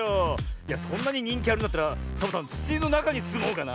いやそんなににんきあるんだったらサボさんつちのなかにすもうかな。